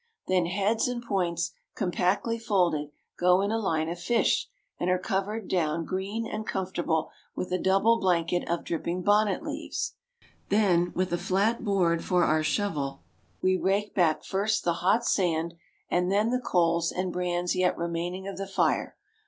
Then heads and points, compactly folded, go in a line of fish, and are covered down green and comfortable with a double blanket of dripping bonnet leaves. Then, with a flat board for our shovel, we rake back first the hot sand, and then the coals and brands yet remaining of the fire.